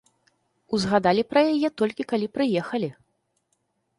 Узгадалі пра яе, толькі калі прыехалі.